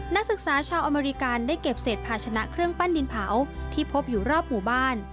นักศึกษาชาวอเมริกันได้เก็บเศษภาชนะเครื่องปั้นดินเผาที่พบอยู่รอบหมู่บ้าน